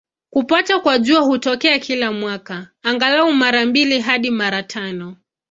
Kupatwa kwa Jua hutokea kila mwaka, angalau mara mbili hadi mara tano.